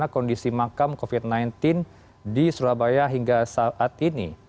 kondisi makam covid sembilan belas di surabaya hingga saat ini